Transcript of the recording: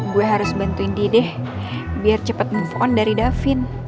gue harus bantuin dia deh biar cepet move on dari davin